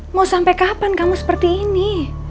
mau sampai kapan kamu seperti ini